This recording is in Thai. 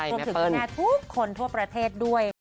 คุณแม่ทุกคนทั่วประเทศด้วย